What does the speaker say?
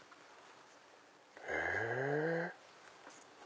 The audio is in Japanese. へぇ。